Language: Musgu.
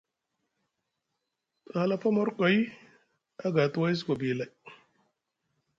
Te halafu a morkoy aga te waysi gobi lay.